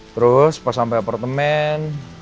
terus pas sampe apartemen